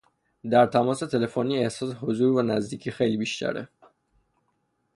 در تماس تلفنی احساس حضور و نزدیکی خیلی بیشتره